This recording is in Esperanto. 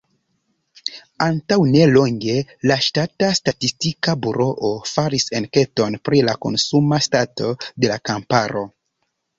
Antaŭnelonge la ŝtata statistika buroo faris enketon pri la konsuma stato de la kamparo.